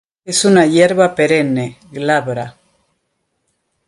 Es una hierba perenne, glabra.